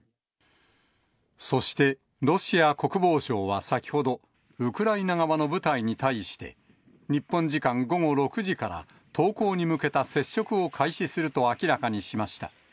そしてロシア国防省は先ほど、ウクライナ側の部隊に対して、日本時間午後６時から、投降に向けた接触を開始すると明らかにしました。